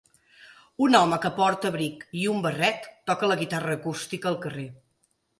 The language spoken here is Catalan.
Un home que porta abric i un barret toca la guitarra acústica al carrer.